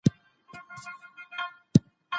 خلګ پوه سول چي فقر د نادودو پایله ده.